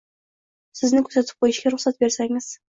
Sizni kuzatib qo'yishga ruxsat bersangiz.